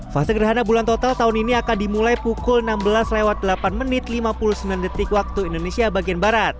fase gerhana bulan total tahun ini akan dimulai pukul enam belas delapan lima puluh sembilan wib